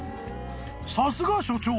［さすが所長！］